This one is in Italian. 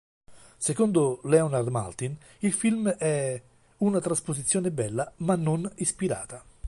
Secondo Leonard Maltin il film è una "trasposizione bella ma non ispirata".